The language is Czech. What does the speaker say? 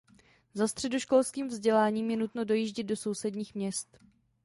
Za středoškolským vzděláním je nutno dojíždět do sousedních měst.